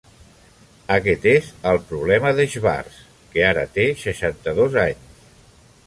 Aquest és el problema per Schwartz, que ara té seixanta-dos anys.